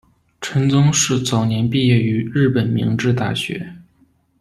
陈曾栻早年毕业于日本明治大学。